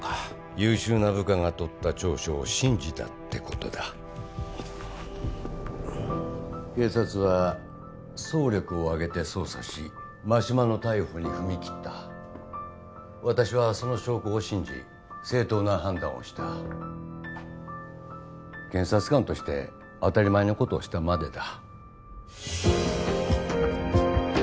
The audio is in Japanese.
優秀な部下が取った調書を信じたってことだ警察は総力をあげて捜査し真島の逮捕に踏み切った私はその証拠を信じ正当な判断をした検察官として当たり前のことをしたまでだ